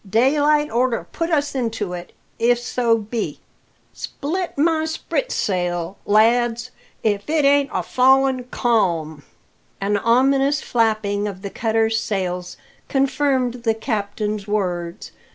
Daylight orter put us into it, if so be Split my sprit sail, lads, if it ain't a fallin' calm!" [Illustration: 0074] An ominous flapping of the cutter's sails confirmed the captain's words.